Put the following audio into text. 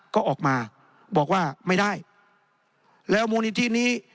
ก็ออกมาบอกว่าไม่ได้แล้วมูลนิธินี้